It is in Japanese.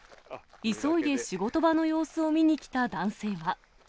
急いで仕事場の様子を見に来た男性は。